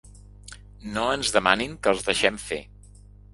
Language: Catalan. No ens demanin que els deixem fer.